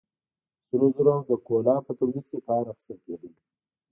د سرو زرو او د کولا په تولید کې کار اخیستل کېده.